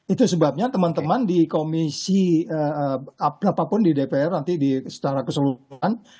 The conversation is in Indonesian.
itu sebabnya teman teman di komisi apapun di dpr nanti secara keseluruhan